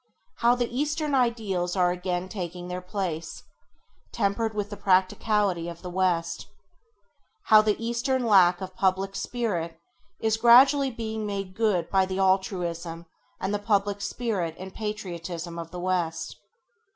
How the eastern ideals are again taking their place, tempered with the practicality of the West. How the eastern lack of public spirit is gradually being made good by the altruism and the public spirit and the patriotism of the West.